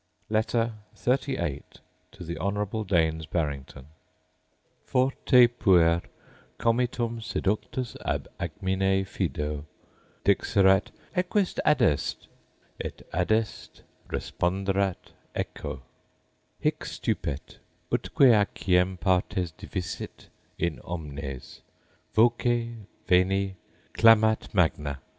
Letter XXXVIII To The Honourable Daines Barrington Fortè puer, comitum seductus ab agmine fido, Dixerat, ecquis adest ? et, adest, responderat echo. Hic stupet; utque aciem partes divisit in omnes; Voce, veni, clamat magna.